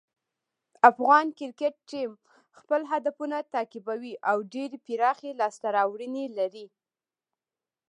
افغان کرکټ ټیم خپل هدفونه تعقیبوي او ډېرې پراخې لاسته راوړنې لري.